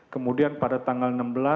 kemudian pada tanggal enam belas